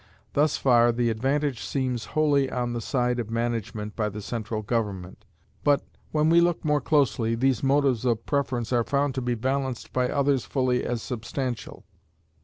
Thus far, the advantage seems wholly on the side of management by the central government; but, when we look more closely, these motives of preference are found to be balanced by others fully as substantial.